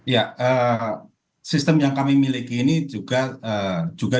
ya sistem yang kami miliki ini juga